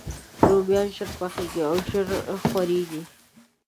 رومیان ژر پخیږي او ژر خورېږي